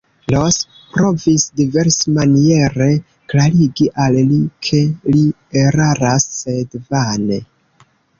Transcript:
Ros provis diversmaniere klarigi al li, ke li eraras, sed vane.